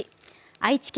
愛知県